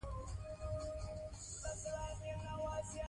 په کور کې وچه ډوډۍ کولای شئ چې په فریزر کې وساتئ.